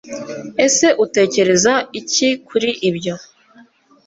Ese utekereza iki kuri byo